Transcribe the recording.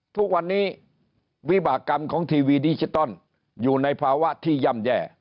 ทุกวันนี้วิบากรรมของทีวีดิจิตอลอยู่ในภาวะที่ย่ำแย่